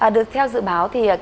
được theo dự báo